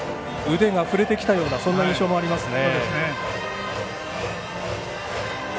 腕が振れてきたようなそんな印象もありますね。